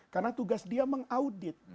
karena tugas dia mengaudit